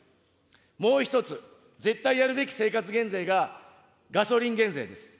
もう１つ、絶対やるべき生活減税がガソリン減税です。